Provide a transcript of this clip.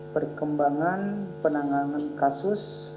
perkembangan penanganan kasus